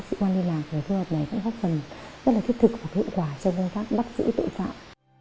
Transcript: sự quan đi làm của phối hợp này cũng góp phần rất là thiết thực và hiệu quả trong công tác bắt giữ tội phạm